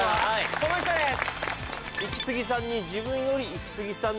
この人です・